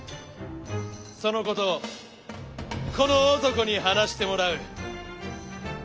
そのことをこの男に話してもらう。